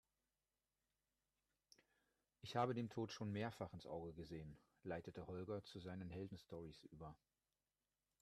Ich habe dem Tod schon mehrfach ins Auge gesehen, leitete Holger zu seinen Heldenstorys über.